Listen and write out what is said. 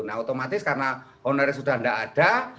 nah otomatis karena honorer sudah enggak ada